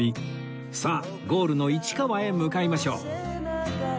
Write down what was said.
さあゴールの市川へ向かいましょう